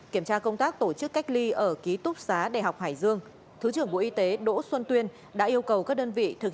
kiểm tra công tác tổ chức cách ly ở ký túc xá đại học hải dương thứ trưởng bộ y tế đỗ xuân tuyên đã yêu cầu các đơn vị thực